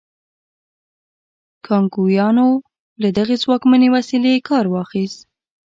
کانګویانو له دغې ځواکمنې وسیلې کار واخیست.